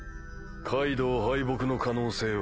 カイドウ敗北の可能性は？